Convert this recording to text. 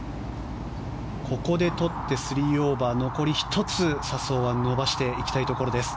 ここでとって３オーバー残り１つ、笹生は伸ばしていきたいところです。